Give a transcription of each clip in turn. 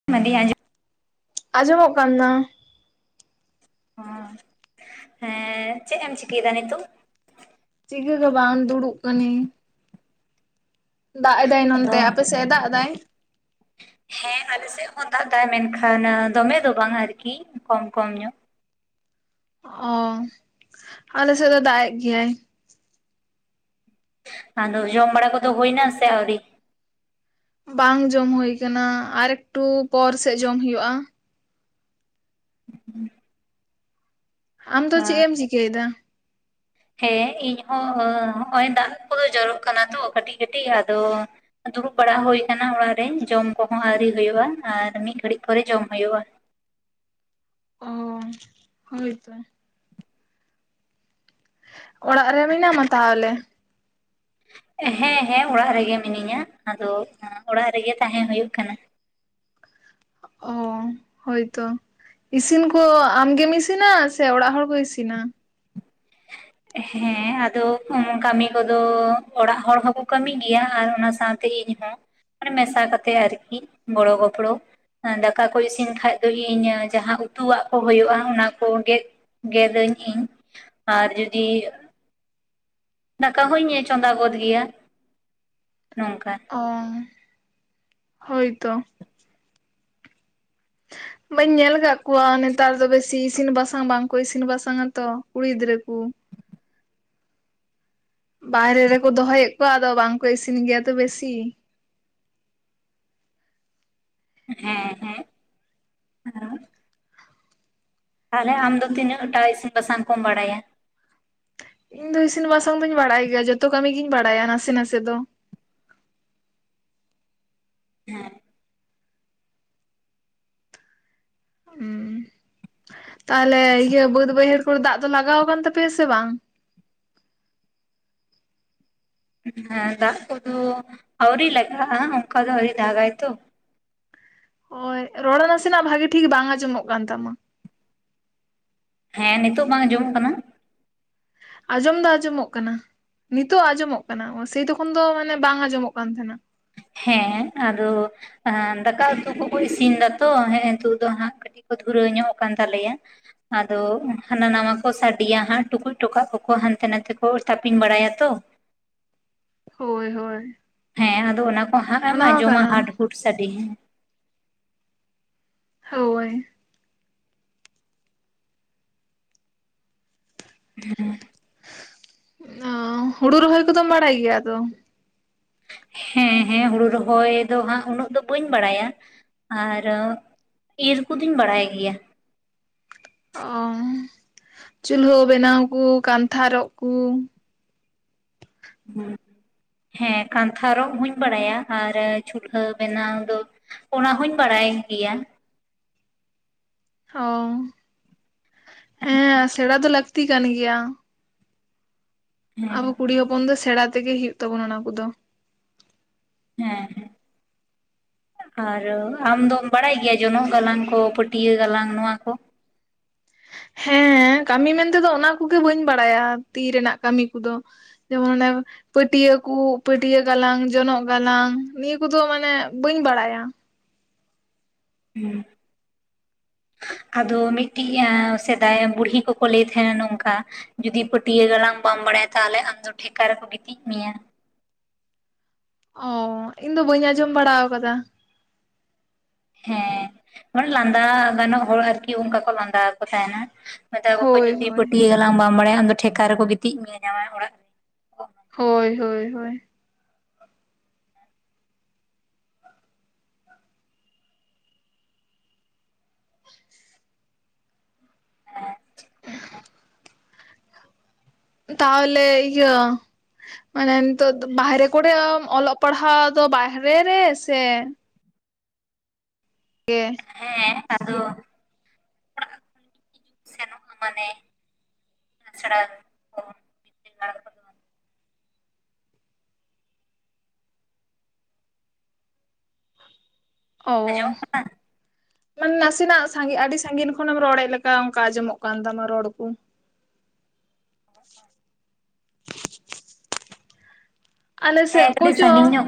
[unintelligible] ᱟᱡᱚᱢᱚᱜ ᱠᱟᱱᱟ? ᱚ ᱦᱮᱸ ᱪᱮᱫ ᱮᱢ ᱪᱤᱠᱟᱹᱭᱮᱫᱟ ᱱᱤᱛᱚᱜ? ᱪᱤᱠᱟᱹ ᱫᱚ ᱵᱟᱝ ᱫᱩᱲᱩᱵ ᱠᱟᱹᱱᱤᱧ ᱾ ᱫᱟᱜ ᱮᱫᱟᱭ ᱟᱫᱚ ᱱᱚᱱᱛᱮ ᱟᱯᱮᱥᱮᱫ ᱮ ᱫᱟᱜ ᱮᱫᱟᱭ? [inaudible] ᱦᱮᱸ ᱟᱞᱮᱥᱮᱫ ᱦᱚᱸ ᱫᱟᱜ ᱮᱫᱟᱭ ᱢᱮᱱᱠᱷᱟᱱ ᱫᱚᱢᱮ ᱫᱚ ᱵᱟᱝ ᱟᱨᱠᱤ ᱠᱚᱢ ᱠᱚᱢ ᱧᱚᱜ ᱾ ᱚ ᱟᱞᱮ ᱥᱮᱫ ᱫᱚ ᱫᱟᱜ ᱮᱫ ᱜᱮᱭᱟᱭ ᱾ ᱟᱫᱚ ᱡᱚᱢ ᱵᱟᱲᱟ ᱠᱚᱫᱚ ᱦᱩᱭ ᱮᱱᱟ ᱥᱮ ᱟᱹᱣᱨᱤ? ᱵᱟᱝ ᱡᱚᱢ ᱦᱳᱭ ᱟᱠᱟᱱᱟ ᱟᱨ ᱮᱠᱴᱩ ᱯᱚᱨ ᱥᱮᱫ ᱡᱚᱢ ᱦᱳᱭᱳᱜᱼᱟ ᱾ [inaudible] ᱟᱢ ᱫᱚ ᱪᱮᱫ ᱮᱢ ᱪᱤᱠᱟᱹᱭ ᱮᱫᱟ? ᱦᱮᱸ ᱤᱧ ᱦᱚ ᱦᱚᱜᱚᱭ ᱫᱟᱜ ᱠᱚ ᱫᱚ ᱡᱚᱨᱚᱜ ᱠᱟᱱᱟ ᱛᱚ ᱠᱟᱹᱴᱤᱡ ᱠᱟᱹᱴᱤᱡ ᱟᱫᱚ ᱫᱩᱲᱩᱵ ᱵᱟᱲᱟ ᱦᱳᱭ ᱟᱠᱟᱱᱟ ᱚᱲᱟᱜ ᱨᱮ ᱡᱚᱢ ᱠᱚ ᱦᱚᱸ ᱟᱹᱣᱨᱤ ᱦᱳᱭᱳᱜᱼᱟ ᱟᱨ ᱢᱤᱫ ᱜᱷᱟᱹᱲᱤᱡ ᱯᱚᱨᱮ ᱡᱚᱢ ᱦᱳᱭᱳᱜᱼᱟ ᱾ ᱚ ᱦᱳᱭ ᱛᱚ ᱾ ᱚᱲᱟᱜ ᱨᱮ ᱢᱮᱱᱟᱢᱟ ᱛᱟᱦᱞᱮ? ᱦᱮᱸ ᱦᱮᱸ ᱚᱲᱟᱜ ᱨᱮᱜᱮ ᱢᱤᱱᱟᱹᱧᱟ ᱾ ᱟᱫᱚ ᱚᱲᱟᱜ ᱨᱮᱜᱮ ᱛᱟᱦᱮᱸ ᱦᱳᱭᱳᱜ ᱠᱟᱱᱟ ᱾ ᱚ ᱦᱳᱭ ᱛᱚ ᱾ ᱤᱥᱤᱱ ᱠᱚ ᱟᱢ ᱜᱮᱢ ᱤᱥᱤᱱᱟ ᱥᱮ ᱚᱲᱟᱜ ᱦᱚᱲ ᱠᱚ ᱤᱥᱤᱱᱟ? ᱦᱮᱸ ᱟᱫᱚ ᱠᱟᱹᱢᱤ ᱠᱚ ᱫᱚ ᱚᱲᱟᱜ ᱦᱚᱲ ᱦᱚᱠᱚ ᱠᱟᱹᱢᱤ ᱜᱮᱭᱟ ᱟᱨ ᱚᱱᱟ ᱥᱟᱶ ᱛᱮ ᱤᱧ ᱦᱚᱸ ᱾ ᱢᱟᱱᱮ ᱢᱮᱥᱟ ᱠᱟᱛᱮᱜ ᱟᱨᱠᱤ ᱜᱚᱲᱚ ᱜᱚᱯᱲᱚ ᱾ ᱫᱟᱠᱟ ᱠᱚ ᱤᱥᱤᱱ ᱠᱷᱟᱡ ᱫᱚ ᱤᱧ ᱡᱟᱦᱟᱸ ᱩᱛᱩᱣᱟᱜ ᱠᱚ ᱦᱳᱳᱜᱼᱟ ᱚᱱᱟ ᱠᱚ ᱜᱮᱫ ᱜᱮᱫᱟᱹᱧ ᱤᱧ ᱾ ᱟᱨ ᱡᱩᱫᱤ ᱫᱟᱠᱟ ᱦᱚᱧ ᱪᱚᱸᱫᱟ ᱜᱚᱫ ᱜᱮᱭᱟ [unintelligible] ᱱᱚᱝᱠᱟ ᱾ ᱚ [inaudible] ᱦᱳᱭ ᱛᱚ ᱾ [inaudible] ᱵᱟᱹᱧ ᱧᱮᱞ ᱟᱠᱟᱫ ᱠᱚᱣᱟ ᱱᱮᱛᱟᱨ ᱫᱚ ᱵᱮᱥᱤ ᱤᱥᱤᱱ ᱵᱟᱥᱟᱝ ᱵᱟᱝ ᱠᱚ ᱤᱥᱤᱱ ᱵᱟᱥᱟᱝᱟ ᱛᱚ ᱠᱩᱲᱤ ᱜᱤᱫᱽᱨᱟᱹ ᱠᱚ ᱾ ᱵᱟᱦᱨᱮ ᱨᱮᱠᱚ ᱫᱚᱦᱚᱭᱮᱫ ᱠᱚᱣᱟ ᱟᱫᱚ ᱵᱟᱝ ᱠᱚ ᱤᱥᱤᱱ ᱜᱮᱭᱟ ᱛᱚ ᱵᱮᱥᱤ ᱾ ᱦᱮᱸ ᱦᱮᱸ ᱾ ᱛᱟᱦᱞᱮ ᱟᱢ ᱫᱚ ᱛᱤᱱᱟᱹᱜ ᱴᱟᱜ ᱤᱥᱤᱱ ᱵᱟᱥᱟᱝ ᱠᱚᱢ ᱵᱟᱲᱟᱭᱟ? ᱤᱧ ᱫᱚ ᱤᱥᱤᱱ ᱵᱟᱥᱟᱝ ᱫᱩᱧ ᱵᱟᱲᱟᱭ ᱜᱮᱭᱟ ᱡᱷᱚᱛᱚ ᱠᱟᱹᱢᱤ ᱜᱤᱧ ᱵᱟᱲᱟᱭᱟ ᱱᱟᱥᱮ ᱱᱟᱥᱮ ᱫᱚ ᱾ ᱦᱮᱸ ᱾ ᱩᱸ ᱛᱟᱦᱞᱮ ᱤᱭᱟᱹ ᱵᱟᱹᱫ ᱵᱟᱹᱭᱦᱟᱹᱲ ᱠᱚᱨᱮ ᱫᱟᱜ ᱫᱚ ᱞᱟᱜᱟᱣ ᱠᱟᱱ ᱛᱟᱯᱮᱭᱟ ᱥᱮ ᱵᱟᱝ? ᱦᱮᱸ ᱫᱟᱜ ᱠᱚ ᱫᱚ ᱟᱣᱨᱤ ᱞᱟᱜᱟᱜᱼᱟ ᱚᱱᱠᱟ ᱫᱚ ᱟᱣᱨᱤ ᱫᱟᱜᱟᱭ ᱛᱚ ᱾ ᱦᱳᱭ ᱨᱚᱲ ᱱᱟᱥᱮᱱᱟᱜ ᱵᱷᱟᱜᱤ ᱴᱷᱤᱠ ᱵᱟᱝ ᱟᱸᱡᱚᱢᱚᱜ ᱠᱟᱱ ᱛᱟᱢᱟ ᱾ ᱦᱮᱸ, ᱱᱤᱛᱚᱜ ᱵᱟᱝ ᱟᱸᱡᱚᱢᱚᱜ ᱠᱟᱱᱟ? ᱟᱸᱡᱚᱢ ᱫᱚ ᱟᱸᱡᱚᱢᱚᱜ ᱠᱟᱱᱟ ᱾ ᱱᱤᱛᱚᱜ ᱟᱸᱡᱚᱢᱚᱜ ᱠᱟᱱᱟ ᱥᱮᱭ ᱛᱚᱠᱷᱚᱱ ᱫᱚ ᱢᱟᱱᱮ ᱵᱟᱝ ᱟᱸᱡᱚᱢᱚᱜ ᱠᱟᱱ ᱛᱟᱦᱮᱸᱱᱟ ᱾ ᱦᱮᱸ ᱟᱫᱚ ᱫᱟᱠᱟ ᱩᱛᱩ ᱠᱚ ᱠᱚ ᱤᱥᱤᱱ ᱫᱟᱛᱚ [unintelligible] ᱛᱳᱜ ᱫᱚ ᱦᱟᱸᱜ [unintelligible] ᱠᱚ ᱫᱷᱩᱨᱟᱹᱣ ᱧᱚᱜ ᱠᱟᱱ ᱛᱟᱞᱮᱭᱟ ᱟᱫᱚ ᱦᱟᱱᱟ ᱱᱟᱣᱟ ᱠᱚ ᱥᱟᱰᱮᱭᱟ ᱦᱟᱸᱜ ᱴᱩᱠᱩᱡ ᱴᱚᱠᱟᱜ ᱠᱚᱠᱚ ᱦᱟᱱᱛᱮ ᱱᱟᱛᱮ ᱠᱚ ᱛᱟᱯᱤᱝ ᱵᱟᱲᱟᱭᱟ ᱛᱚ ᱦᱳᱭ ᱦᱳᱭ ᱦᱮᱸ ᱟᱫᱚ ᱚᱱᱟ ᱠᱚ ᱦᱟᱸᱜ ᱮᱢ ᱚᱱᱟ ᱦᱚᱸ ᱟᱡᱚᱢᱟ ᱠᱟᱱᱟ ᱦᱟᱰ ᱦᱩᱰ ᱥᱟᱰᱮ ᱦᱮᱸ ᱦᱳᱭ [unintelligible] ᱚ ᱦᱩᱲᱩ ᱨᱚᱦᱚᱭ ᱠᱚᱫᱚᱢ ᱵᱟᱲᱟᱭ ᱜᱮᱭᱟ ᱛᱚ? ᱦᱮᱸ ᱦᱮᱸ ᱦᱩᱲᱩ ᱨᱚᱦᱚᱭ ᱫᱚ ᱦᱟᱸᱜ ᱩᱱᱟᱹᱜ ᱫᱚ ᱵᱟᱹᱧ ᱵᱟᱲᱟᱭᱟ ᱟᱨ ᱤᱨ ᱠᱩᱫᱩᱧ ᱵᱟᱲᱟᱭ ᱜᱮᱭᱟ ᱚ ᱪᱩᱞᱦᱟᱹ ᱵᱮᱱᱟᱣ ᱠᱩ ᱠᱟᱱᱛᱷᱟ ᱨᱚᱜ ᱠᱩ ᱦᱮᱸ ᱠᱟᱱᱛᱷᱟ ᱨᱚᱜ ᱦᱚᱧ ᱵᱟᱲᱟᱭᱟ ᱟᱨ ᱪᱩᱞᱦᱟᱹ ᱵᱮᱱᱟᱣ ᱫᱚ ᱚᱱᱟᱦᱚᱧ ᱵᱟᱲᱟᱭ ᱜᱮᱭᱟ ᱚ ᱦᱮᱸ ᱥᱮᱬᱟ ᱫᱚ ᱞᱟᱹᱠᱛᱤ ᱠᱟᱱ ᱜᱮᱭᱟ ᱟᱵᱚ ᱦᱮᱸ ᱠᱩᱲᱤ ᱦᱚᱯᱚᱱ ᱫᱚ ᱥᱮᱬᱟ ᱛᱮᱜᱮ ᱦᱩᱭᱩᱜ ᱛᱟᱵᱚᱱᱟ ᱚᱱᱟ ᱠᱚ ᱫᱚ ᱦᱮᱸ ᱦᱮᱸ ᱟᱨ ᱟᱢ ᱫᱚᱢ ᱵᱟᱲᱟᱭ ᱜᱮᱭᱟ ᱡᱚᱱᱚᱜ ᱜᱟᱞᱟᱝ ᱠᱚ ᱯᱟᱹᱴᱭᱟᱹ ᱜᱟᱞᱟᱝ ᱱᱚᱣᱟ ᱠᱚ? ᱦᱮᱸ ᱠᱟᱹᱢᱤ ᱢᱮᱱ ᱛᱮᱫᱚ ᱚᱱᱟ ᱠᱚᱜᱮ ᱵᱟᱹᱧ ᱵᱟᱲᱟᱭᱟ ᱛᱤ ᱨᱮᱱᱟᱜ ᱠᱟᱹᱢᱤ ᱠᱩᱫᱚ ᱡᱮᱢᱚᱱ [unintelligible] ᱯᱟᱹᱴᱭᱟᱹ ᱠᱩ ᱯᱟᱹᱴᱭᱟᱹ ᱜᱟᱞᱟᱝ ᱡᱚᱱᱚᱜ ᱜᱟᱞᱟᱝ ᱱᱤᱭᱟᱹ ᱠᱚᱫᱚ ᱢᱟᱱᱮ ᱵᱟᱹᱧ ᱵᱟᱲᱟᱭᱟ ᱦᱩᱸ ᱟᱫᱚ ᱢᱤᱜᱴᱤᱡ ᱟᱸ ᱥᱮᱫᱟᱭ ᱵᱩᱲᱦᱤ ᱠᱚᱠᱚ ᱞᱟᱹᱭ ᱛᱟᱦᱮᱸᱱᱟ ᱱᱚᱝᱠᱟ ᱡᱩᱫᱤ ᱯᱟᱹᱴᱭᱟᱹ ᱜᱟᱞᱟᱝ ᱵᱟᱢ ᱵᱟᱲᱟᱭᱟ ᱛᱟᱦᱚᱞᱮ ᱟᱢᱫᱚ ᱴᱷᱮᱠᱟ ᱨᱮᱠᱚ ᱜᱤᱛᱤᱡ ᱢᱮᱭᱟ ᱚ ᱤᱧ ᱫᱚ ᱵᱟᱹᱧ ᱟᱸᱡᱚᱢ ᱵᱟᱲᱟᱣ ᱠᱟᱫᱟ ᱦᱮᱸ [unintelligible] ᱞᱟᱸᱫᱟ ᱜᱟᱱᱚᱜ ᱦᱚᱲ ᱟᱨᱠᱤ ᱚᱱᱠᱟ ᱠᱚ ᱞᱟᱸᱫᱟ ᱟᱠᱚ ᱛᱟᱦᱮᱱᱟ ᱢᱮᱛᱟ ᱠᱚ ᱠᱚᱣᱟ ᱦᱳᱭ ᱡᱩᱫᱤ ᱦᱳᱭ ᱯᱟᱹᱴᱭᱟᱹ ᱜᱟᱞᱟᱝ ᱵᱟᱢ ᱵᱟᱲᱟᱭᱟ ᱟᱢᱫᱚ ᱴᱷᱮᱠᱟ ᱨᱮᱠᱚ ᱜᱤᱛᱤᱡ ᱢᱮᱭᱟ ᱡᱟᱢᱶᱟᱭ ᱚᱲᱟᱜ ᱨᱮ ᱦᱳᱭ ᱦᱳᱭ ᱦᱳᱭ [inaudible] ᱛᱟᱦᱚᱞᱮ ᱤᱭᱟᱹ ᱢᱟᱱᱮ ᱱᱤᱛᱚᱜ ᱵᱟᱦᱨᱮ ᱠᱚᱨᱮ ᱚᱞᱚᱜ ᱯᱟᱲᱦᱟᱣ ᱫᱚ ᱵᱟᱦᱨᱮ ᱨᱮ ᱥᱮ [unintelligible] ᱦᱮᱸ ᱟᱫᱚ ᱦᱤᱡᱩᱜ ᱥᱮᱱᱚᱜᱼᱟ ᱢᱟᱱᱮ ᱟᱥᱲᱟ ᱠᱚ ᱵᱤᱫᱽᱫᱟᱹᱜᱟᱲ ᱠᱚᱫᱚ ᱚᱻ ᱟᱸᱡᱚᱢᱚᱜ ᱠᱟᱱᱟ ᱢᱟᱱᱮ ᱱᱟᱥᱮᱱᱟᱜ ᱥᱟᱸᱜᱤ ᱟᱹᱰᱤ ᱥᱟᱸᱜᱤᱧ ᱠᱷᱚᱱᱮᱢ ᱨᱚᱲᱮᱫ ᱞᱮᱠᱟ ᱚᱱᱠᱟ ᱟᱸᱡᱚᱢᱚᱜ ᱠᱟᱱ ᱛᱟᱢᱟ ᱨᱚᱲ ᱠᱩ [inaudible] ᱟᱞᱮ ᱦᱮᱸ ᱥᱮᱫ ᱠᱟᱹᱴᱤᱡ ᱠᱚᱪᱚ ᱥᱺᱜᱤᱧ ᱧᱚᱜ,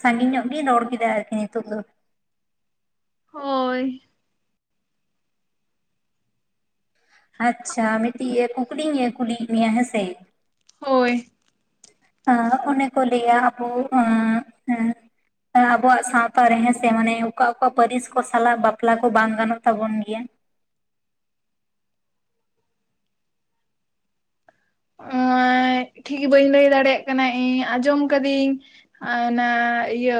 ᱥᱟᱺᱜᱤᱧ ᱧᱚᱜ ᱜᱤᱧ ᱨᱚᱲ ᱠᱮᱫᱟ ᱟᱨᱠᱤ ᱱᱤᱛᱚᱜ ᱫᱚ ᱦᱳᱭ ᱟᱪᱪᱷᱟ ᱢᱤᱫᱴᱤᱡ ᱤᱭᱟᱹ ᱠᱩᱠᱞᱤᱧ ᱠᱩᱞᱤᱭᱮᱫ ᱢᱮᱭᱟ ᱦᱮᱸᱥᱮ ᱦᱳᱭ ᱟᱸ ᱚᱱᱮᱠᱚ ᱞᱟᱹᱭᱟ ᱟᱵᱩ ᱟᱸ ᱮᱸ ᱟᱵᱚᱣᱟᱜ ᱥᱟᱶᱛᱟ ᱨᱮ ᱦᱮᱸ ᱥᱮ ᱢᱟᱱᱮ ᱚᱠᱟ ᱚᱠᱟ ᱯᱟᱹᱨᱤᱥ ᱠᱚ ᱥᱟᱞᱟᱜ ᱵᱟᱯᱞᱟ ᱠᱚ ᱵᱟᱝ ᱜᱟᱱᱚᱜ ᱛᱟᱵᱚᱱ ᱜᱮᱭᱟ? ᱚᱸᱭᱻ ᱴᱷᱤᱠ ᱵᱟᱹᱧ ᱞᱟᱹᱭ ᱫᱟᱲᱮᱭᱟᱜ ᱠᱟᱱᱟ ᱤᱧ ᱟᱸᱡᱚᱢ ᱠᱟᱹᱫᱤᱧ ᱟ ᱚᱱᱟ ᱤᱭᱟᱹ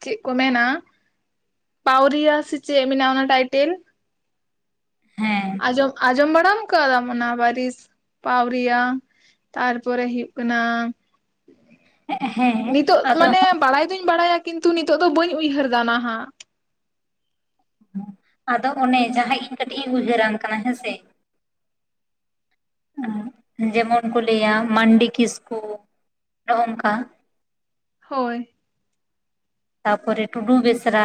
ᱪᱮᱫ ᱠᱚ ᱢᱮᱱᱟ ᱯᱟᱣᱨᱤᱭᱟ ᱥᱮ ᱪᱮᱜ ᱢᱮᱱᱟ ᱚᱱᱟ ᱴᱟᱭᱴᱮᱞ ᱦᱮᱸ ᱟᱸᱡᱚᱢ ᱟᱸᱡᱚᱢ ᱵᱟᱲᱟᱣ ᱠᱟᱫᱟᱢ ᱚᱱᱟ ᱯᱟᱨᱤᱥ ᱯᱟᱣᱨᱤᱭᱟ ᱛᱟᱨ ᱯᱚᱨᱮ ᱦᱩᱭᱩᱜ ᱠᱟᱱᱟ ᱦᱮᱸ ᱱᱤᱛᱳᱜ ᱟᱫᱚ ᱢᱟᱱᱮ ᱵᱟᱲᱟᱭ ᱫᱩᱧ ᱵᱟᱲᱟᱭᱟ ᱠᱤᱱᱛᱩ ᱱᱤᱛᱳᱜ ᱫᱚ ᱵᱟᱹᱧ ᱩᱭᱦᱟᱹᱨ ᱫᱟ ᱱᱟ ᱦᱟᱸᱜ ᱟᱫᱚ ᱚᱱᱮ ᱡᱟᱦᱟᱸ ᱤᱧ ᱠᱟᱹᱴᱤᱡ ᱤᱧ ᱩᱭᱦᱟᱹᱨᱟᱢ ᱠᱟᱱᱟ ᱦᱮᱸᱥᱮ ᱡᱮᱢᱚᱱ ᱠᱚ ᱞᱟᱹᱭᱟ ᱢᱟᱱᱰᱤ ᱠᱤᱥᱠᱩ ᱦᱚᱝᱠᱟ ᱦᱳᱭ ᱛᱟᱯᱚᱨᱮ ᱴᱩᱰᱩ ᱵᱮᱥᱨᱟᱼᱼ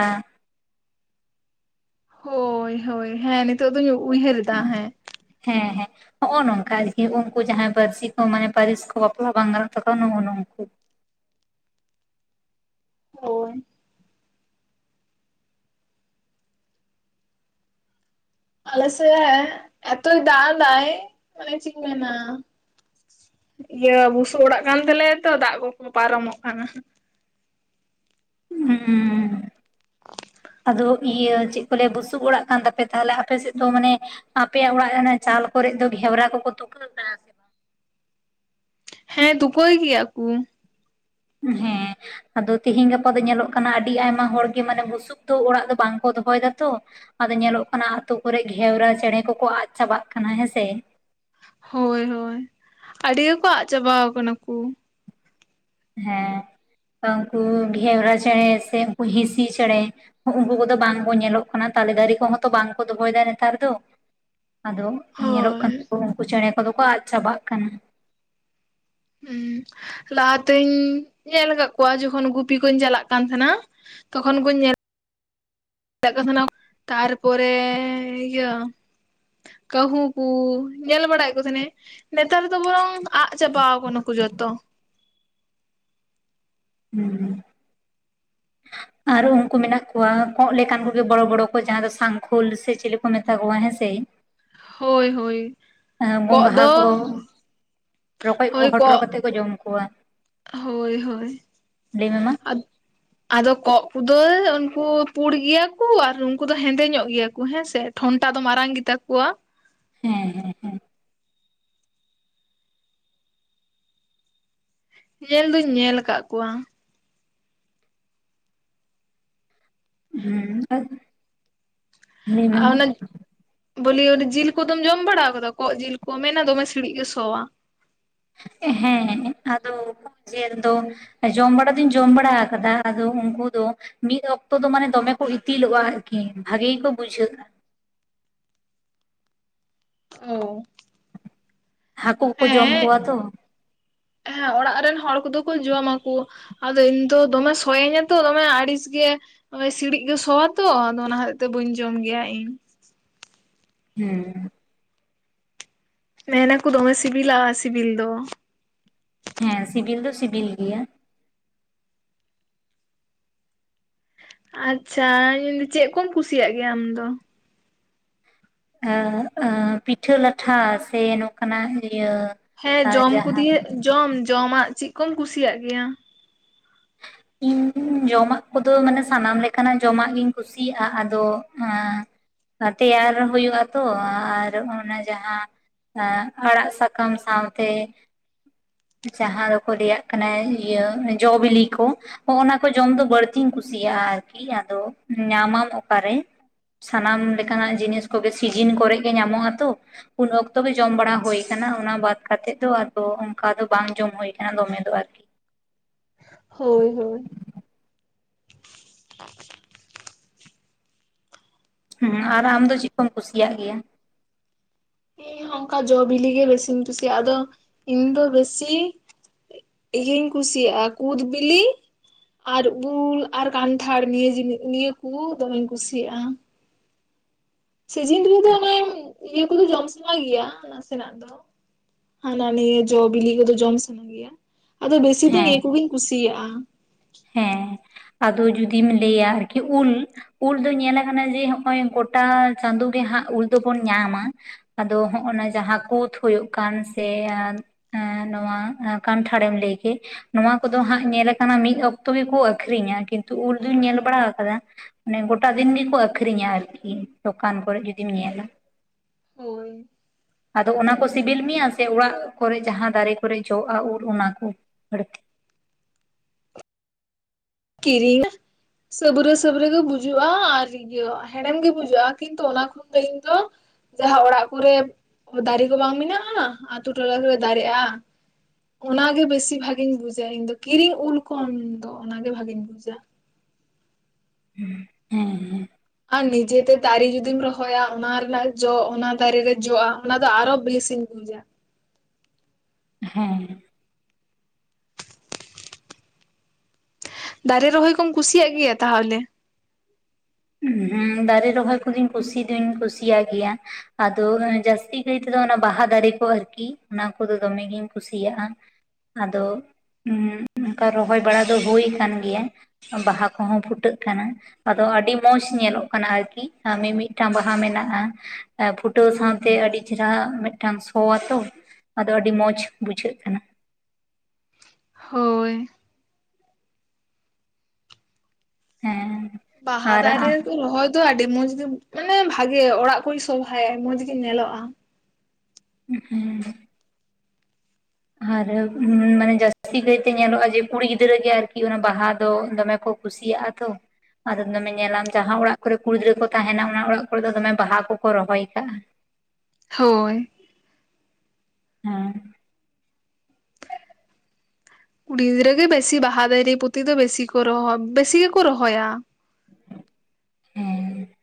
ᱦᱳᱭ ᱦᱳᱭ ᱦᱮᱸ ᱱᱤᱛᱚᱜ ᱫᱚᱧ ᱩᱭᱦᱟᱹᱨ ᱨᱮᱫᱟ ᱦᱮᱸ ᱦᱮᱸ ᱦᱮᱸ ᱦᱚᱜᱼᱚ ᱱᱚᱝᱠᱟ ᱟᱨᱠᱤ ᱩᱝᱠᱩ ᱡᱟᱦᱟᱸᱭ ᱯᱟᱹᱨᱥᱤ ᱠᱚ ᱢᱟᱱᱮ ᱯᱟᱹᱨᱤᱥ ᱠᱚ ᱵᱟᱯᱞᱟ ᱵᱟᱝ ᱜᱟᱱᱚᱜ ᱛᱟᱠᱚᱣᱟ ᱱᱚᱜᱼᱚ ᱱᱩᱝᱠᱩ ᱦᱳᱭ ᱟᱞᱮ ᱥᱮ ᱮᱛᱚᱭ ᱫᱟᱜ ᱫᱟᱭ ᱢᱟᱱᱮ ᱪᱤᱧ ᱢᱮᱱᱟ ᱤᱭᱟᱹ ᱵᱩᱥᱩᱵ ᱚᱲᱟᱜ ᱠᱟᱱ ᱛᱟᱞᱮᱭᱟ ᱛᱚ ᱫᱟᱜ ᱠᱚᱠᱚ ᱯᱟᱨᱚᱢᱚᱜ ᱠᱟᱱᱟ ᱩᱸᱻ ᱟᱫᱚ ᱤᱭᱟᱹ ᱪᱮᱫ ᱠᱚ ᱞᱟᱹᱭᱟ ᱵᱩᱥᱩᱵ ᱚᱲᱟᱜ ᱠᱟᱱ ᱛᱟᱯᱮ ᱛᱟᱦᱞᱮ ᱟᱯᱮ ᱥᱮᱫ ᱫᱚ ᱢᱟᱱᱮᱼᱼ ᱟᱯᱮᱭᱟᱜ ᱚᱲᱟᱜ ᱨᱮᱱᱟᱜ ᱪᱟᱞ ᱠᱚᱨᱮ ᱫᱚ ᱜᱷᱮᱣᱨᱟ ᱠᱚᱠᱚ ᱛᱩᱠᱟᱹ ᱠᱟᱜ-ᱟ ᱦᱮᱸ ᱫᱩᱠᱟᱹᱭ ᱜᱮᱭᱟ ᱠᱚᱼᱼ ᱦᱮᱸ ᱟᱫᱚ ᱛᱮᱦᱮᱧ ᱜᱟᱯᱟ ᱫᱚ ᱧᱮᱞᱚᱜ ᱠᱟᱱᱟ ᱟᱹᱰᱤ ᱟᱭᱢᱟ ᱦᱚᱲ ᱜᱮ ᱢᱟᱱᱮ ᱵᱩᱥᱩᱵ ᱫᱚ ᱚᱲᱟᱜ ᱫᱚ ᱵᱟᱝ ᱠᱚ ᱫᱚᱦᱚᱭ ᱫᱟᱛᱚ ᱟᱫᱚ ᱧᱮᱞᱚᱜ ᱠᱟᱱᱟ ᱟᱛᱳ ᱠᱚᱨᱮ ᱜᱷᱮᱣᱨᱟ ᱪᱮᱬᱮ ᱠᱚᱠᱚ ᱟᱫ ᱪᱟᱵᱟᱜ ᱠᱟᱱᱟ ᱦᱮᱸᱥᱮ ᱦᱳᱭ ᱦᱳᱭ ᱟᱹᱰᱤ ᱜᱮ ᱠᱚ ᱟᱫ ᱪᱟᱵᱟᱣ ᱠᱟᱱᱟ ᱠᱚᱼᱼ ᱦᱮᱸ ᱫᱚ ᱩᱝᱠᱩ ᱜᱷᱮᱣᱨᱟ ᱪᱮᱬᱮ ᱥᱮ ᱩᱱᱠᱩ ᱦᱤᱸᱥᱤ ᱪᱮᱬᱮᱼᱼ ᱩᱝᱠᱩ ᱠᱚ ᱫᱚ ᱵᱟᱝ ᱠᱚ ᱧᱮᱞᱚᱜ ᱠᱟᱱᱟ ᱛᱟᱞᱮ ᱫᱟᱨᱮ ᱠᱚᱦᱚᱸ ᱛᱚ ᱵᱟᱝ ᱠᱚ ᱫᱚᱦᱚᱭ ᱮᱫᱟ ᱱᱮᱛᱟᱨ ᱫᱚᱼᱼ ᱟᱫᱚ ᱧᱮᱞᱚᱜ ᱦᱳᱭ ᱠᱟᱱᱟ ᱠᱚ ᱩᱱᱠᱩ ᱪᱮᱬᱮ ᱠᱚ ᱫᱚ ᱠᱚ ᱟᱫ ᱪᱟᱵᱟᱜ ᱠᱟᱱᱟ ᱦᱩᱸ ᱞᱟᱦᱟᱛᱤᱧ ᱧᱮᱞ ᱟᱠᱟᱫ ᱠᱚᱣᱟ ᱡᱚᱠᱷᱚᱱ ᱜᱩᱯᱤ ᱠᱩᱧ ᱪᱟᱞᱟᱜ ᱠᱟᱱ ᱛᱷᱟᱱᱟ ᱛᱚᱠᱷᱚᱱ ᱠᱚ ᱧᱮᱞᱼᱼ ᱪᱟᱜ ᱠᱟᱱ ᱛᱟᱦᱮᱸᱱᱟ ᱛᱟᱨᱯᱚᱨᱮ ᱤᱭᱟᱹᱼᱼ ᱠᱟᱹᱦᱩ ᱠᱚ ᱧᱮᱞ ᱵᱟᱲᱟᱭ ᱮᱫ ᱠᱚ ᱛᱟᱦᱮᱸᱱᱤᱧ ᱱᱮᱛᱟᱨ ᱫᱚ ᱵᱚᱨᱚᱝ ᱟᱫ ᱪᱟᱵᱟᱣ ᱠᱟᱱᱟ ᱠᱚ ᱡᱚᱛᱚᱼᱼ ᱦᱩᱸ [inaudible] ᱟᱨ ᱩᱱᱠᱩ ᱢᱮᱱᱟᱜ ᱠᱚᱣᱟ ᱠᱚᱸᱜ ᱞᱮᱠᱟᱱ ᱠᱚ ᱜᱮ ᱵᱚᱲᱚ ᱵᱚᱲᱚ ᱠᱚ ᱡᱟᱦᱟᱸ ᱫᱚ ᱥᱟᱝᱠᱷᱳᱞ ᱥᱮ ᱪᱤᱞᱤ ᱠᱚ ᱢᱮᱛᱟ ᱠᱚᱣᱟ ᱦᱮᱸᱥᱮᱼᱼ ᱦᱳᱭ ᱦᱳᱭ ᱠᱚᱸᱜ ᱜᱚᱝᱜᱷᱟ ᱫᱚ ᱠᱚ ᱨᱚᱠᱚᱡ ᱠᱚ ᱦᱳᱭ ᱦᱚᱴᱚᱨ ᱠᱚᱜ ᱠᱟᱛᱮᱜ ᱠᱚ ᱡᱚᱢ ᱠᱚᱣᱟ ᱦᱳᱭ ᱦᱳᱭ ᱞᱟᱹᱭ ᱢᱮ ᱢᱟ ᱟᱫᱚᱼᱼ [inaudible] ᱟᱫᱚ ᱠᱚᱸᱜ ᱠᱚ ᱫᱚ ᱩᱱᱠᱩ ᱯᱩᱸᱰ ᱜᱮᱭᱟ ᱠᱚ ᱟᱨ ᱩᱱᱠᱩ ᱫᱚ ᱦᱮᱸᱫᱮ ᱧᱚᱜ ᱜᱮᱭᱟ ᱠᱚ ᱦᱮᱸ ᱥᱮᱼᱼ ᱴᱷᱚᱱᱴᱟ ᱫᱚ ᱢᱟᱨᱟᱝ ᱜᱮᱛᱟ ᱠᱚᱣᱟ ᱦᱮᱸ ᱦᱮᱸ ᱦᱮᱸᱼᱼ ᱧᱮᱞ ᱫᱚᱧ ᱧᱮᱞ ᱟᱠᱟᱫ ᱠᱚᱣᱟ ᱦᱮᱸᱼᱼ ᱟᱨ ᱚᱱᱟᱼᱼ ᱵᱚᱞᱮ ᱡᱤᱞ ᱠᱚᱫᱚᱢ ᱡᱚᱢ ᱵᱟᱲᱟ ᱟᱠᱟᱫᱟ ᱠᱚᱸᱜ ᱡᱤᱞ ᱠᱚ ᱢᱮᱱᱟ ᱫᱚᱢᱮ ᱥᱤᱲᱤᱡ ᱜᱮ ᱥᱚᱣᱟ ᱦᱮᱸ ᱟᱫᱚ ᱡᱮᱞ ᱫᱚᱼᱼ ᱡᱚᱢ ᱵᱟᱲᱟ ᱫᱚᱧ ᱡᱚᱢ ᱵᱟᱲᱟ ᱟᱠᱟᱫᱟ ᱟᱫᱚ ᱩᱱᱠᱩ ᱫᱚᱼᱼ ᱢᱤᱫ ᱚᱠᱛᱚ ᱫᱚ ᱢᱟᱱᱮ ᱫᱚᱢᱮ ᱠᱚ ᱤᱛᱤᱞᱚᱜᱼᱟ ᱟᱨᱠᱤ᱾ ᱵᱷᱟᱜᱤ ᱜᱮᱠᱚ ᱵᱩᱡᱷᱟᱹᱜᱼᱟ᱾ ᱚ ᱦᱟᱹᱠᱩ ᱠᱚᱠᱚ ᱡᱚᱢ ᱦᱮᱸ ᱠᱚᱣᱟ ᱛᱚ᱾ ᱦᱮᱸ ᱚᱲᱟᱜ ᱨᱮᱱ ᱦᱚᱲ ᱠᱚᱫᱚ ᱠᱚ ᱡᱚᱢᱟᱠᱚ, ᱟᱫᱚ ᱤᱧ ᱫᱚ ᱫᱚᱢᱮ ᱥᱚᱭᱮᱧᱟ ᱛᱚ ᱫᱚᱢᱮ ᱟᱹᱲᱤᱥ ᱜᱮ ᱚᱱᱮ ᱥᱤᱲᱤᱡ ᱜᱮ ᱥᱚᱣᱟ ᱛᱚ ᱟᱫᱚ ᱚᱱᱟ ᱠᱷᱟᱹᱛᱤᱨ ᱛᱮ ᱵᱟᱹᱧ ᱡᱚᱢ ᱜᱮᱭᱟ ᱤᱧ᱾ ᱦᱮᱸ, ᱢᱮᱱᱟᱠᱚ ᱫᱚᱢᱮ ᱥᱤᱵᱤᱞᱟ ᱥᱤᱵᱤᱞ ᱫᱚ᱾ ᱦᱮᱸ ᱥᱤᱵᱤᱞ ᱫᱚ ᱥᱤᱵᱤᱞ ᱜᱮᱭᱟ᱾ ᱟᱪᱪᱷᱟ, ᱤᱧ ᱫᱚ ᱪᱮᱫ ᱠᱚᱢ ᱠᱩᱥᱤᱭᱟᱜ ᱜᱮᱭᱟ ᱟᱢᱫᱚ? ᱟᱹ ᱟᱹ ᱯᱤᱴᱷᱟᱹ ᱞᱟᱴᱷᱟ ᱥᱮ ᱱᱚᱝᱠᱟᱱᱟᱜ ᱤᱭᱟᱹ ᱦᱮᱸ ᱟᱨ ᱡᱚᱢ ᱠᱚ ᱡᱟᱦᱟᱸ ᱫᱤᱭᱮ ᱡᱚᱢ ᱡᱚᱢᱟᱜ ᱪᱮᱫ ᱠᱚᱢ ᱠᱩᱥᱤᱭᱟᱜ ᱜᱮᱭᱟ? [inaudible] ᱤᱧ ᱡᱚᱢᱟᱜ ᱠᱚᱫᱚ ᱢᱟᱱᱮ ᱥᱟᱱᱟᱢ ᱞᱮᱠᱟᱱᱟᱜ ᱡᱚᱢᱟᱜ ᱜᱤᱧ ᱠᱩᱥᱤᱭᱟᱜᱼᱟ᱾ ᱟᱫᱚ ᱛᱮᱭᱟᱨ ᱦᱩᱭᱩᱜᱼᱟ ᱛᱚ, ᱟᱨ ᱚᱱᱟ ᱡᱟᱦᱟᱸ ᱟᱹ ᱟᱲᱟᱜ ᱥᱟᱠᱟᱢ ᱥᱟᱶᱛᱮ ᱡᱟᱦᱟᱸ ᱫᱚᱠᱚ ᱞᱟᱹᱭᱟᱜ ᱠᱟᱱᱟ ᱤᱭᱟᱹ ᱡᱚ ᱵᱤᱞᱤ ᱠᱚ ᱦᱚᱜ ᱚᱱᱟ ᱠᱚ ᱡᱚᱢ ᱫᱚ ᱵᱟᱹᱲᱛᱤᱧ ᱠᱩᱥᱤᱭᱟᱜᱼᱟ, ᱟᱨᱠᱤ ᱟᱫᱚ ᱧᱟᱢᱟᱢ ᱚᱠᱟᱨᱮ? ᱥᱟᱱᱟᱢ ᱞᱮᱠᱟᱱᱟᱜ ᱡᱤᱱᱤᱥ ᱠᱚᱜᱮ ᱥᱤᱡᱤᱱ ᱠᱚᱨᱮᱜ ᱜᱮ ᱧᱟᱢᱚᱜ ᱟᱛᱚ᱾ ᱩᱱ ᱚᱠᱛᱚ ᱜᱮ ᱡᱚᱢ ᱵᱟᱲᱟ ᱦᱩᱭ ᱟᱠᱟᱱᱟ ᱚᱱᱟ ᱵᱟᱫᱽ ᱠᱟᱛᱮᱜ ᱫᱚ ᱟᱫᱚ ᱚᱱᱠᱟ ᱫᱚ ᱵᱟᱝ ᱡᱚᱢ ᱦᱩᱭ ᱟᱠᱟᱱᱟ ᱫᱚᱢᱮ ᱫᱚ ᱟᱨᱠᱤ᱾ ᱦᱳᱭ ᱦᱳᱭ᱾ [inaudible] ᱦᱮᱸ, ᱟᱨ ᱤᱧ ᱟᱢ ᱫᱚ ᱪᱮᱫ ᱠᱚᱢ ᱠᱩᱥᱤᱭᱟᱜ ᱜᱮᱭᱟ? ᱤᱧ ᱦᱚᱸ ᱚᱱᱠᱟ ᱡᱚ ᱵᱤᱞᱤ ᱜᱮ ᱵᱮᱥᱤᱧ ᱠᱩᱥᱤᱭᱟᱜᱼᱟ᱾ ᱟᱫᱚ ᱤᱧ ᱫᱚ ᱵᱮᱥᱤ ᱤᱭᱟᱹᱧ ᱠᱩᱥᱤᱭᱟᱜᱼᱟ ᱠᱩᱫᱽ ᱵᱤᱞᱤ, ᱟᱨ ᱩᱞ ᱟᱨ ᱠᱟᱱᱴᱷᱟᱲ ᱱᱤᱭᱟᱹ ᱡᱤᱱᱤ ᱱᱤᱭᱟᱹ ᱠᱚ ᱫᱚᱢᱮᱧ ᱠᱩᱥᱤᱭᱟᱜᱼᱟ᱾ ᱥᱤᱡᱤᱱ ᱨᱮᱫᱚ ᱚᱱᱮ ᱤᱭᱟᱹ ᱠᱚᱫᱚ ᱡᱚᱢ ᱥᱟᱱᱟ ᱜᱮᱭᱟ ᱱᱟᱥᱮᱱᱟᱜ ᱫᱚ᱾ ᱦᱟᱱᱟ ᱱᱤᱭᱟᱹ ᱡᱚ ᱵᱤᱞᱤ ᱠᱚᱫᱚ ᱡᱚᱢ ᱥᱟᱱᱟᱧ ᱜᱮᱭᱟ, ᱟᱫᱚ ᱵᱮᱥᱤ ᱫᱚ ᱦᱮᱸ ᱱᱤᱭᱟᱹ ᱠᱚᱜᱤᱧ ᱠᱩᱥᱤᱭᱟᱜᱼᱟ᱾ ᱦᱮᱸ ᱟᱫᱚ ᱡᱩᱫᱤᱢ ᱞᱟᱹᱭᱟ ᱟᱨᱠᱤ ᱩᱞ ᱩᱞ ᱫᱚ ᱧᱮᱞ ᱟᱠᱟᱱᱟ ᱡᱮ ᱦᱚᱜᱼᱚᱭ ᱜᱚᱴᱟ ᱪᱟᱸᱫᱳ ᱜᱮ ᱦᱟᱸᱜ ᱩᱞ ᱫᱚᱵᱚᱱ ᱧᱟᱢᱟ᱾ ᱟᱫᱚ ᱦᱚᱸᱜᱱᱟ ᱡᱟᱦᱟᱸ ᱠᱩᱛᱽ ᱦᱩᱭᱩᱜ ᱠᱟᱱ ᱥᱮ, ᱮᱸᱜ ᱱᱚᱣᱟ ᱠᱟᱱᱴᱷᱟᱲᱮᱢ ᱞᱟᱹᱭ ᱠᱮᱫ, ᱱᱚᱣᱟ ᱠᱚᱫᱚ ᱦᱟᱸᱜ ᱧᱮᱞ ᱟᱠᱟᱱᱟ ᱢᱤᱫ ᱚᱠᱛᱚ ᱚᱠᱛᱚ ᱜᱮᱠᱚ ᱟᱠᱷᱨᱤᱧᱟ, ᱠᱤᱱᱛᱩ ᱩᱞ ᱫᱩᱧ ᱧᱮᱞ ᱵᱟᱲᱟ ᱟᱠᱟᱫᱟ ᱢᱟᱱᱮ ᱜᱚᱴᱟ ᱫᱤᱱ ᱜᱮᱠᱚ ᱟᱠᱷᱨᱤᱧᱟ ᱟᱨᱠᱤ, ᱫᱚᱠᱟᱱ ᱠᱚᱨᱮᱫ ᱡᱩᱫᱤᱢ ᱧᱮᱞᱟ᱾ ᱦᱳᱭ᱾ ᱟᱫᱚ ᱚᱱᱟ ᱠᱚ ᱥᱤᱵᱤᱞ ᱢᱮᱭᱟ ᱥᱮ ᱚᱲᱟᱜ ᱠᱚᱨᱮ ᱡᱟᱦᱟᱸ ᱫᱟᱨᱮ ᱠᱚᱨᱮ ᱡᱚᱜᱼᱟ ᱩᱞ ᱚᱱᱟ ᱠᱚ ᱵᱟᱹᱲᱛᱤ? ᱠᱤᱨᱤᱧ ᱫᱚ ᱥᱟᱹᱵᱨᱟᱹ ᱥᱟᱹᱵᱨᱟᱹᱜ ᱜᱮ ᱵᱩᱡᱩᱜᱼᱟ, ᱟᱨ ᱤᱭᱟᱹ ᱦᱮᱲᱮᱢ ᱜᱮ ᱵᱩᱡᱟᱹᱜᱼᱟ ᱠᱤᱱᱛᱩ ᱚᱱᱟ ᱛᱤᱦᱤᱧ ᱫᱚ, ᱡᱟᱦᱟᱸ ᱚᱲᱟᱜ ᱠᱚᱨᱮ ᱫᱟᱨᱮ ᱠᱚ ᱵᱟᱝ ᱢᱮᱱᱟᱜᱼᱟ? ᱟᱛᱳ ᱴᱚᱞᱟ ᱠᱚᱨᱮ ᱫᱟᱨᱮᱜᱼᱟ᱾ ᱚᱱᱟᱜᱮ ᱵᱮᱥᱤ ᱵᱷᱟᱜᱤᱧ ᱵᱩᱡᱟ ᱤᱧ ᱫᱚ, ᱠᱤᱨᱤᱧ ᱩᱞ ᱠᱷᱚᱱ ᱫᱚ ᱚᱱᱟᱜᱮ ᱵᱷᱟᱜᱤᱧ ᱵᱩᱡᱟ᱾ ᱦᱮᱸ, ᱦᱮᱸ ᱦᱮᱸ᱾ ᱟᱨ ᱱᱤᱡᱮᱛᱮ ᱫᱟᱨᱮ ᱡᱩᱫᱤᱢ ᱨᱚᱦᱚᱭᱟ, ᱚᱱᱟ ᱨᱮᱱᱟᱜ ᱡᱚ ᱚᱱᱟ ᱫᱟᱨᱮ ᱨᱮ ᱡᱚᱜᱼᱟ ᱚᱱᱟ ᱫᱚ ᱟᱨᱚ ᱵᱮᱥᱤᱧ ᱵᱩᱡᱟ᱾ ᱦᱮᱸ᱾ ᱫᱟᱨᱮ ᱨᱚᱦᱚᱭ ᱠᱚᱢ ᱠᱩᱥᱤᱭᱟᱜ ᱜᱮᱭᱟ ᱛᱟᱦᱚᱞᱮ? ᱦᱩᱸ ᱫᱟᱨᱮ ᱨᱚᱦᱚᱭ ᱠᱩᱫᱚᱧ ᱠᱩᱥᱤ ᱫᱩᱧ ᱠᱩᱥᱤᱭᱟᱜ ᱜᱮᱭᱟ᱾ ᱟᱫᱚ ᱡᱟᱹᱥᱛᱤ ᱠᱟᱭ ᱛᱮᱫᱚ ᱚᱱᱟ ᱵᱟᱦᱟ ᱫᱟᱨᱮ ᱠᱚ ᱟᱨᱠᱤ ᱚᱱᱟ ᱠᱚᱫᱚ ᱫᱚᱮᱢ ᱜᱤᱧ ᱠᱩᱥᱤᱭᱟᱜᱼᱟ᱾ ᱟᱫᱚ ᱩᱸᱜ ᱚᱱᱠᱟ ᱨᱚᱦᱚᱭ ᱵᱟᱲᱟ ᱫᱚ ᱦᱳᱭ ᱠᱟᱱ ᱜᱮᱭᱟ᱾ ᱵᱟᱦᱟ ᱠᱚᱦᱚᱸ ᱯᱷᱩᱴᱟᱹᱜ ᱠᱟᱱᱟ ᱟᱫᱚ ᱟᱹᱰᱤᱼᱼ ᱢᱚᱸᱡᱽ ᱧᱮᱞᱚᱜ ᱠᱟᱱᱟ ᱟᱨᱠᱤ ᱢᱤᱢᱤᱫᱴᱟᱝ ᱵᱟᱦᱟ ᱢᱮᱱᱟᱜᱼᱟ᱾ ᱮ ᱯᱷᱩᱴᱟᱹᱣ ᱥᱟᱶᱛᱮ ᱟᱹᱰᱤ ᱪᱮᱨᱦᱟ ᱢᱤᱫᱴᱟᱝ ᱥᱚ ᱟᱛᱚ᱾ ᱟᱫᱚ ᱟᱹᱰᱤ ᱢᱚᱸᱡᱽ ᱵᱩᱡᱷᱟᱹᱜ ᱠᱟᱱᱟ᱾ ᱦᱳᱭ᱾ ᱦᱮᱸ᱾ ᱵᱟᱦᱟ ᱟᱨ ᱫᱟᱨᱮᱼᱼ ᱟᱢ ᱨᱚᱦᱚᱭ ᱫᱚ ᱟᱹᱰᱤ ᱢᱚᱸᱡᱽ ᱜᱮ ᱢᱟᱱᱮ ᱵᱷᱟᱜᱮ ᱚᱲᱟᱜ ᱠᱚᱭ ᱥᱚᱵᱷᱟᱭᱟ ᱢᱚᱸᱡᱽ ᱜᱮ ᱧᱮᱞᱚᱜᱼᱟ᱾ ᱦᱩᱸ᱾ ᱟᱨ ᱢᱟᱱᱮ ᱡᱟᱹᱥᱛᱤ ᱠᱟᱹᱭᱛᱮ ᱧᱮᱞᱚᱜᱼᱟ ᱡᱮ ᱠᱩᱲᱤ ᱜᱤᱫᱽᱨᱟᱹ ᱜᱮ ᱟᱨᱠᱤ ᱚᱱᱟ ᱵᱟᱦᱟ ᱫᱚ ᱫᱚᱢᱮ ᱠᱚᱼᱼ ᱠᱩᱥᱤᱭᱟᱜᱼᱟ ᱛᱚ। ᱟᱫᱚ ᱫᱚᱢᱮ ᱧᱮᱞᱟᱢ ᱡᱟᱦᱟᱸ ᱚᱲᱟᱜ ᱠᱚᱨᱮ ᱠᱩᱲᱤ ᱜᱤᱫᱽᱨᱟᱹ ᱠᱚ ᱛᱟᱦᱮᱱᱟ ᱚᱱᱟ ᱚᱲᱟᱜ ᱠᱚᱨᱮ ᱫᱚᱢᱮ ᱵᱟᱦᱟ ᱠᱚᱠᱚ ᱨᱚᱦᱚᱭ ᱠᱟᱜᱼᱟ᱾ ᱦᱳᱭ᱾ ᱦᱮᱸ ᱠᱩᱲᱤ ᱜᱤᱫᱽᱨᱟᱹ ᱜᱮ ᱵᱮᱥᱤ ᱵᱟᱦᱟ ᱫᱟᱨᱮ ᱯᱩᱛᱤ ᱫᱚ ᱵᱮᱥᱤ ᱠᱚ ᱨᱚᱦᱚ ᱵᱮᱥᱤ ᱜᱮᱠᱚ ᱨᱚᱦᱚᱭᱟ᱾ ᱦᱮᱸ᱾